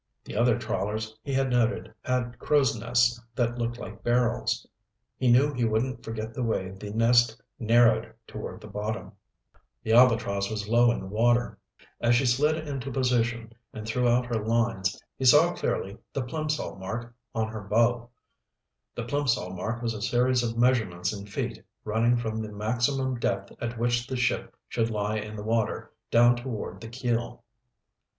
The other trawlers, he had noted, had crow's nests that looked like barrels. He knew he wouldn't forget the way the nest narrowed toward the bottom. The Albatross was low in the water. As she slid into position and threw out her lines, he saw clearly the Plimsoll mark on her bow. The Plimsoll mark was a series of measurements in feet, running from the maximum depth at which the ship should lie in the water down toward the keel.